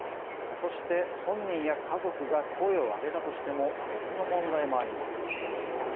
そして本人や家族が声を上げたとしても別の問題もあります。